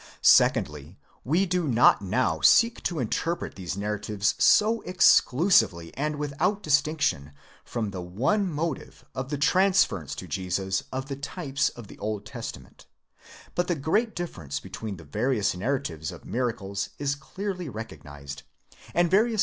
Secondly, we do not now scek to interpret these narratives so exclusively and without distinction from the one motive of the trans ference to Jesus of the types of the Old Testament; but the great difference between the various narra tives of miracles is clearly recognised, and various ΧΧν!